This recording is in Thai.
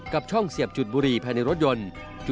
กับช่องเสียบจุดบุรีภายในรถยนต์